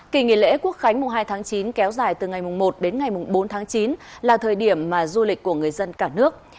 kỳ nghỉ lễ quốc khánh mùng hai tháng chín kéo dài từ ngày một đến ngày bốn tháng chín là thời điểm mà du lịch của người dân cả nước